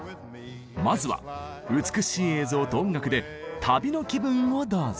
まずは美しい映像と音楽で旅の気分をどうぞ。